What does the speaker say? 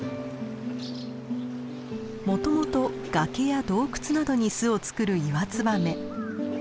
もともと崖や洞窟などに巣を作るイワツバメ。